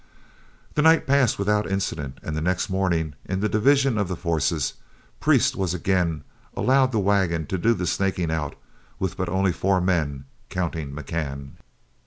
The night passed without incident, and the next morning in the division of the forces, Priest was again allowed the wagon to do the snaking out with, but only four men, counting McCann.